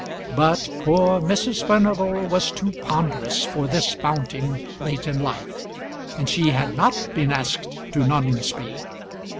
But poor Mrs. Furnival was too ponderous for this mounting late in life, and she had not been asked to Noningsby.